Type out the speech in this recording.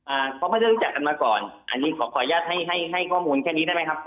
อ่าเขาไม่ได้รู้จักกันมาก่อนอันนี้ขอขออนุญาตให้ให้ข้อมูลแค่นี้ได้ไหมครับ